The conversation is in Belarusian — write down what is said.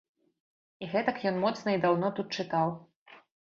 І гэтак ён моцна і даўно тут чытаў!